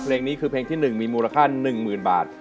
เพลงนี้คือเพลงที่๑มีมูลค่า๑๐๐๐บาท